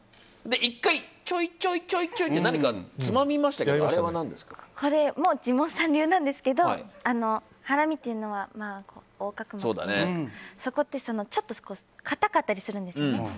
１回、ちょいちょいちょいって何かつまみましたけどこれもジモンさん流ですけどハラミというのは横隔膜ですからそこって、ちょっと硬かったりするんですよね。